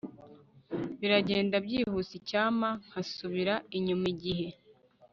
Biragenda byihuse Icyampa nkasubiza inyuma igihe